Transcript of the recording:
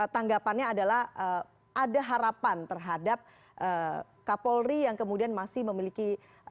tanggapannya adalah ada harapan terhadap kapolri yang kemudian masih memiliki